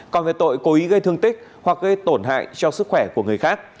còn về tội cố ý gây thương tích hoặc gây tổn hại cho sức khỏe của người khác